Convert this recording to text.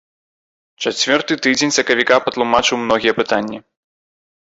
Чацвёрты тыдзень сакавіка патлумачыў многія пытанні.